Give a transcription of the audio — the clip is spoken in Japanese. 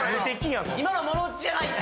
今の物打ちじゃない！